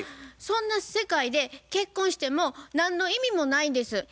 そんな世界で結婚しても何の意味もないです。